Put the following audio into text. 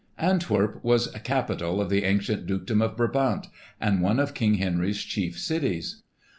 Antwerp was capital of the ancient dukedom of Brabant, and one of King Henry's chief cities.